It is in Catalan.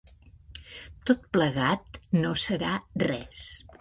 Tot plegat no serà res.